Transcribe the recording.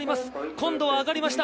今度は上がりました。